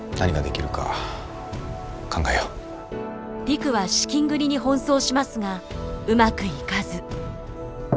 陸は資金繰りに奔走しますがうまくいかず。